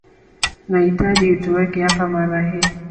Nahitaji utoweke hapa mara hii